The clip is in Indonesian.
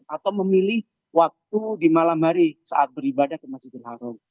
atau memilih waktu di malam hari saat beribadah ke masjidil haram